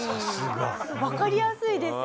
わかりやすいですよね。